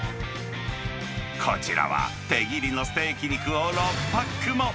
こちらは、手切りのステーキ肉を６パックも。